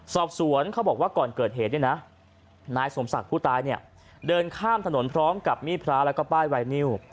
สอบสวนเขาบอกว่าก่อนเกิดเหตุเนี่ยนะนายสมศักดิ์ผู้ตายเนี่ยเดินข้ามถนนพร้อมกับมีดพระแล้วก็ป้ายไวนิว